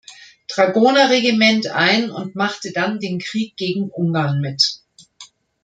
Dragoner-Regiment ein und machte dann den Krieg gegen Ungarn mit.